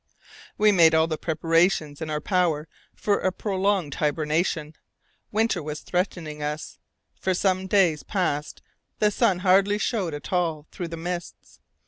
We made all the preparation in our power for a prolonged hibernation. Winter was threatening us. For some days past the sun hardly showed at all through the mists.